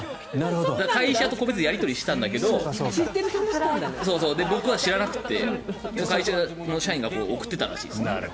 会社と個別にやり取りしたんだけど僕は知らなくて、会社の社員が送っていたらしいです。